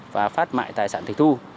và phát mại tài sản thị thu